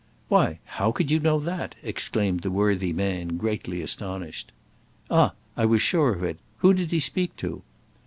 "Why, how could you know that?" exclaimed the worthy man, greatly astonished. "Ah! I was sure of it! Who did he speak to?"